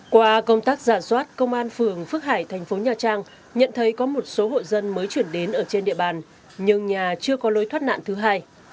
qua công tác giả soát công an phường phước hải thành phố nhà trang nhận thấy có một số hộ dân mới chuyển đến ở trên địa bàn nhưng nhà chưa có lối thoát nạn thứ hai